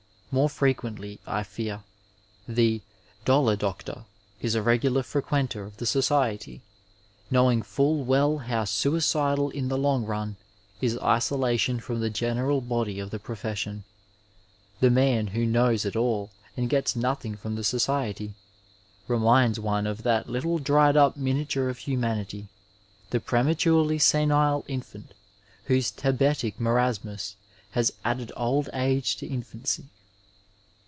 More frequently, I fear, the *^ dollar*doctor " is a regular frequenter of the society* knowing full well how suicidal in the long run is isolation from the general body of the profession. The man who knows it all and gets nothing from the society reminds one of that little dried up miniature of humanity, the pre maturely senile infant, whose tabetic marasmus has added old age to infancy.